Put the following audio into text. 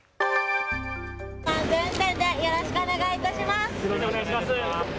安全運転でよろしくお願いいたします。